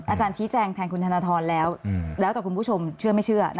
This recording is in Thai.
อาจารย์ชี้แจงแทนคุณธนทรแล้วแล้วแต่คุณผู้ชมเชื่อไม่เชื่อ